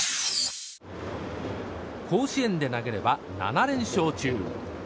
甲子園で投げれば７連勝中。